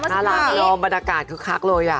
นะคะตอนนี้มูลบรรกาศชัดเลยอะ